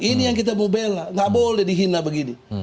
ini yang kita mau bela gak boleh dihina begini